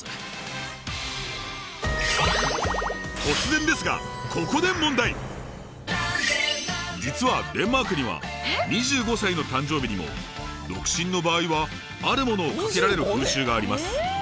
突然ですが実はデンマークには２５歳の誕生日にも独身の場合はあるものをかけられる風習があります。